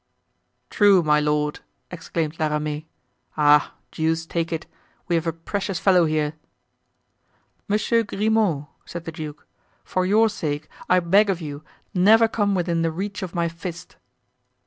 "True, my lord!" exclaimed La Ramee. "Ah! deuce take it! we have a precious fellow here!" "Monsieur Grimaud!" said the duke, "for your sake I beg of you, never come within the reach of my fist!"